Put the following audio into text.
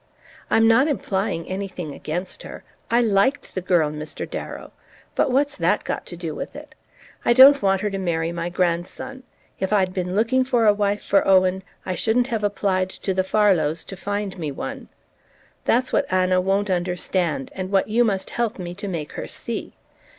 I'm not implying anything against her! I LIKED the girl, Mr. Darrow...But what's that got to do with it? I don't want her to marry my grandson. If I'd been looking for a wife for Owen, I shouldn't have applied to the Farlows to find me one. That's what Anna won't understand; and what you must help me to make her see."